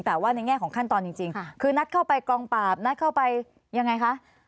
แต่ว่าในแง่ของขั้นตอนจริงคือนัดเข้าไปกองปราบนัดเข้าไปยังไงคะ